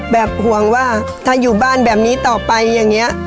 ห่วงว่าถ้าอยู่บ้านแบบนี้ต่อไปอย่างนี้